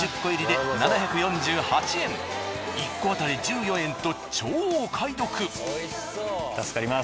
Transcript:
１個あたり１４円と超お買い得。